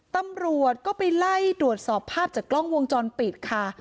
ตำรวจก็ไปไล่ตรวจสอบภาพจากกล้องวงจรปิดค่ะ